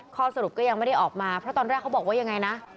ข้อสรุปก็ยังไม่ได้ออกมาเพราะตอนแรกเขาบอกว่ายังไงนะ